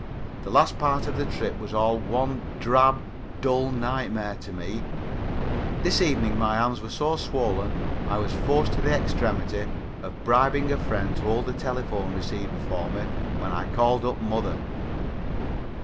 The last part of the trip was all one drab, dull nightmare to me. This evening my hands were so swollen I was forced to the extremity of bribing a friend to hold the telephone receiver for me when I called up mother.